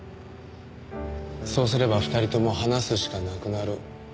そうすれば２人とも話すしかなくなる。